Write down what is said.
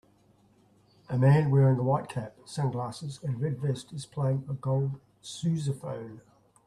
A man wearing a white cap, sunglasses, and red vest is playing a gold sousaphone.